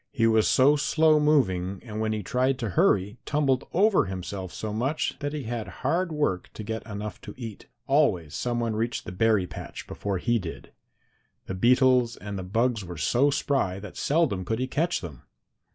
He was so slow moving, and when he tried to hurry tumbled over himself so much, that he had hard work to get enough to eat. Always some one reached the berry patch before he did. The beetles and the bugs were so spry that seldom could he catch them.